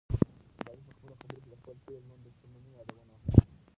کبابي په خپلو خبرو کې د خپل تېر ژوند د شتمنۍ یادونه وکړه.